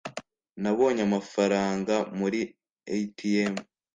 nabonye amafaranga muri atm